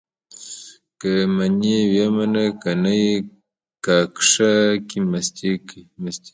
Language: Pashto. که يې منې ويې منه؛ که نه په کاکښه کې مستې دي.